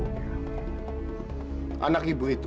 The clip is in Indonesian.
hai anak ibu itu